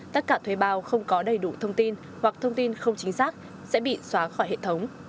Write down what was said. tất cả thuê bao không có đầy đủ thông tin hoặc thông tin không chính xác sẽ bị xóa khỏi hệ thống